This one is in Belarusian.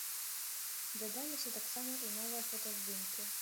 Дадаліся таксама і новыя фотаздымкі.